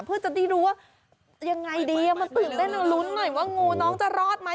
เพื่อจะได้รู้ว่ายังไงดีมันตื่นเต้นลุ้นหน่อยว่างูน้องจะรอดไหม